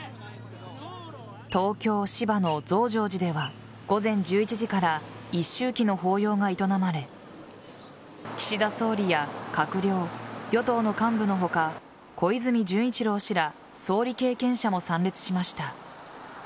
東京・芝の増上寺では午前１１時から一周忌の法要が営まれ岸田総理や閣僚与党の幹部の他小泉純一郎氏ら総理経験者も参列しました。